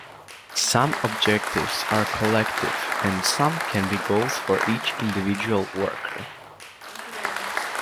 Some objectives are collective, and some can be goals for each individual worker.